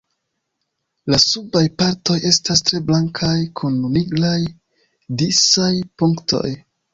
La subaj partoj estas tre blankaj kun nigraj disaj punktoj.